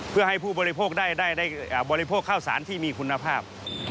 เพื่อให้ผู้บริโภคได้บริโภคข้าวสารที่มีคุณภาพ